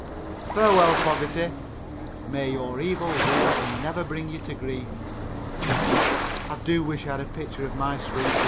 Farewell, Fogerty, may your evil ways never bring you to grief. I do wish I had a picture of my Sweetie.